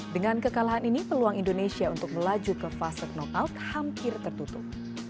dengan kekalahan ini peluang indonesia untuk melaju ke fase knockout hampir tertutup